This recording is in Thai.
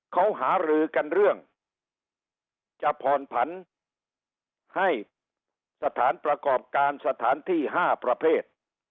เขาหารือกันเรื่องจะผ่อนผันให้สถานประกอบการสถานที่๕ประเภท